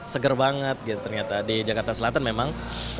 seger banget gitu ternyata di jakarta selatan memang